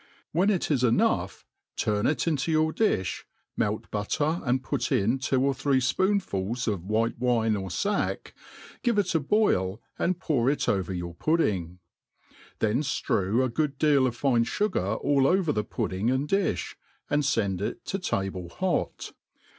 When it if enough^ turn it into your di(h, melt butter and put in two or three fpoonfuls of white«>wihe dr fack, gii^e it a boil and {Jour It over your pudding ; then ftrew a good deal of fine fugar al| over the pudding aiid diffa, and fend i|t to table hot.